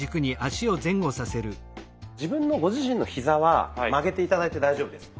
自分のご自身のヒザは曲げて頂いて大丈夫です。